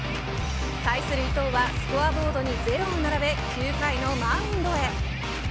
対する伊藤はスコアボードにゼロを並べ９回のマウンドへ。